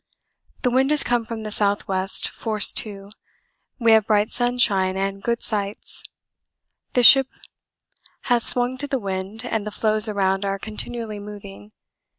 The wind has come from the S.W., force 2; we have bright sunshine and good sights. The ship has swung to the wind and the floes around are continually moving.